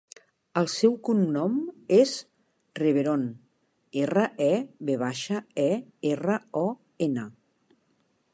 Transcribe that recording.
El seu cognom és Reveron: erra, e, ve baixa, e, erra, o, ena.